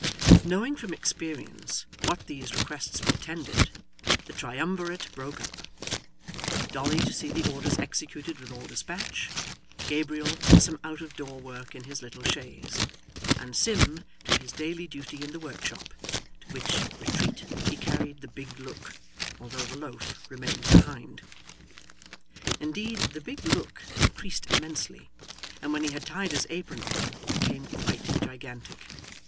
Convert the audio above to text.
Knowing from experience what these requests portended, the triumvirate broke up; Dolly, to see the orders executed with all despatch; Gabriel, to some out of door work in his little chaise; and Sim, to his daily duty in the workshop, to which retreat he carried the big look, although the loaf remained behind. Indeed the big look increased immensely, and when he had tied his apron on, became quite gigantic.